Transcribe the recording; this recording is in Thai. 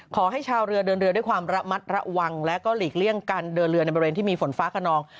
ชาวเรือเดินเรือด้วยความระมัดระวังและก็หลีกเลี่ยงการเดินเรือในบริเวณที่มีฝนฟ้าขนอง